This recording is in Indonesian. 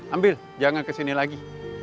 ambil jangan kesini lagi